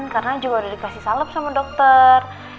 karena juga udah dikasih salep sama dokter